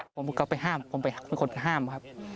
ผมก็ไปห้ามผมเป็นคนห้ามครับ